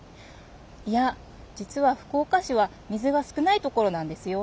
いや実は福岡市は水が少ないところなんですよ。